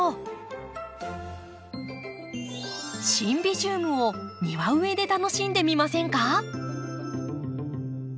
シンビジウムを庭植えで楽しんでみませんか？